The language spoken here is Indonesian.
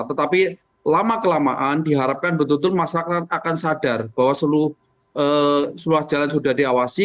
tetapi lama kelamaan diharapkan betul betul masyarakat akan sadar bahwa seluruh jalan sudah diawasi